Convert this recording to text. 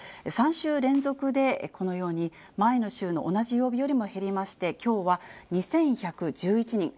３週連続でこのように前の週の同じ曜日よりも減りまして、きょうは２１１１人。